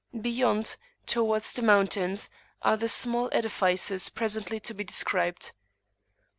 Beyond, towards the mountains, are the small edifices presently to be described.